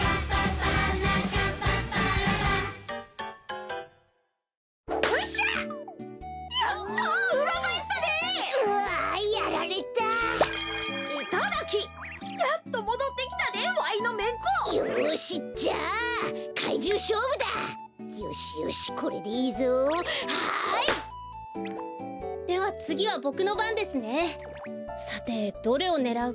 さてどれをねらうか。